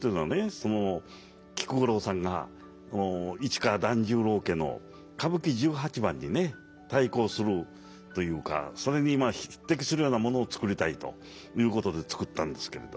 その菊五郎さんが市川團十郎家の歌舞伎十八番にね対抗するというかそれに匹敵するようなものを作りたいということで作ったんですけれど。